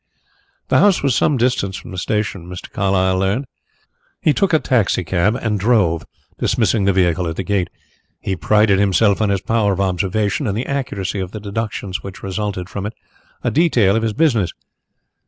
The house was some distance from the station, Mr. Carlyle learned. He took a taxicab and drove, dismissing the vehicle at the gate. He prided himself on his power of observation and the accuracy of his deductions which resulted from it a detail of his business.